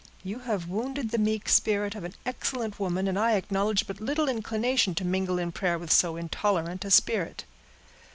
You have wounded the meek spirit of an excellent woman, and I acknowledge but little inclination to mingle in prayer with so intolerant a spirit."